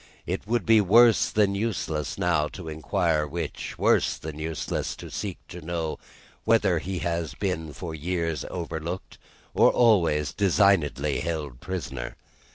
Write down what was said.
It would be worse than useless now to inquire which; worse than useless to seek to know whether he has been for years overlooked, or always designedly held prisoner.